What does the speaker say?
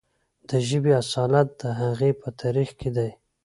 د ژبې اصالت د هغې په تاریخ کې دی.